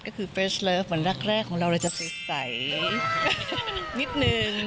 ก็คือเฟสเลิฟเหมือนแรกของเราเราจะใสนิดนึง